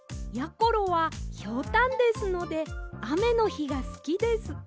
ころはひょうたんですのであめのひがすきです。